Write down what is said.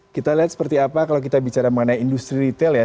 kita lihat seperti apa kalau kita bicara mengenai industri retail ya